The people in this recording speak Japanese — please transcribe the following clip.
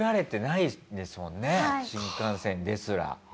新幹線ですら。